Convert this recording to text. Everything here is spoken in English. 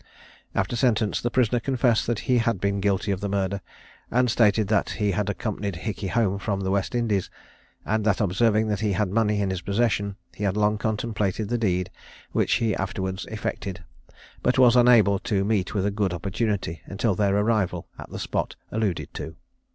After sentence, the prisoner confessed that he had been guilty of the murder, and stated that he had accompanied Hickey home from the West Indies; and that observing that he had money in his possession, he had long contemplated the deed which he afterwards effected, but was unable to meet with a good opportunity until their arrival at the spot alluded to.